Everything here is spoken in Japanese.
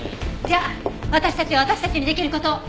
じゃあ私たちは私たちにできる事を。